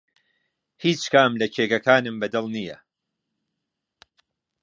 هیچ کام لە کێکەکانم بەدڵ نییە.